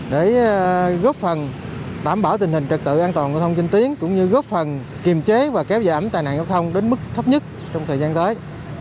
để góp phần đảm bảo tình hình trật tự an toàn giao thông trên tuyến cũng như góp phần kiềm chế và kéo giảm tai nạn giao thông đến mức thấp nhất trong thời gian tới